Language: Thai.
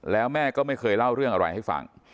แล้วแม่ก็ไม่เคยเล่าเรื่องอะไรให้ฟัง